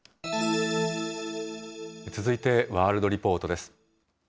続いてワールドリポートです。